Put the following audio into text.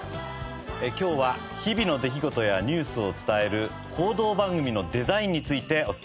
今日は日々の出来事やニュースを伝える報道番組のデザインについてお伝えします。